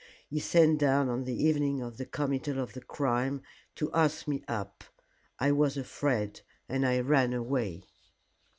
He sent down on the evening of the committal of the crime to ask me up. I was afraid, and I ran away."